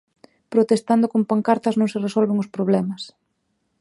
Protestando con pancartas non se resolven os problemas.